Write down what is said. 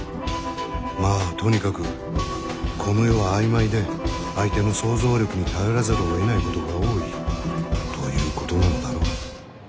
まぁとにかくこの世は曖昧で相手の想像力に頼らざるをえないことが多いということなのだろう。